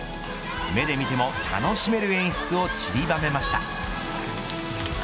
目で見ても楽しめる演出をちりばめました。